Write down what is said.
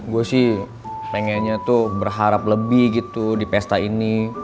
gue sih pengennya tuh berharap lebih gitu di pesta ini